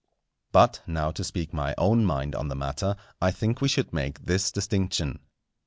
But now to speak my own mind on the matter, I think we should make this distinction.